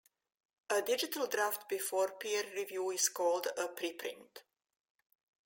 A digital draft before peer review is called a preprint.